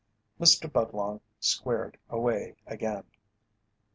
Mr. Budlong squared away again.